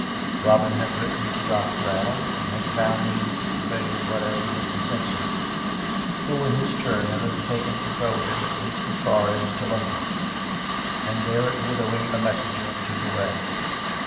Robin had written to Dr. Allen, and had found means to convey his letter to Mr. Simpson, who, in his turn, had undertaken to forward it at least as far as to London; and there it would await a messenger to Douay.